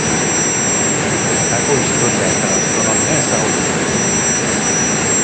Bertako historia eta gastronomia ezagutuko ditu.